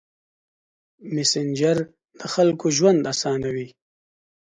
مسېنجر د خلکو ژوند اسانوي.